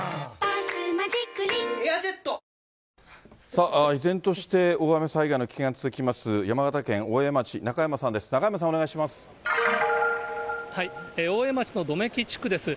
さあ、依然として大雨災害の危険性が続きます、山形県大江町、中山さんです、中山さん、お願いします。